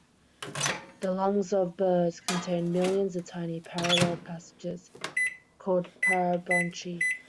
The lungs of birds contain millions of tiny parallel passages called parabronchi.